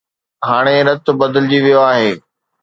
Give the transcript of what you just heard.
هاڻي رت بدلجي ويو آهي.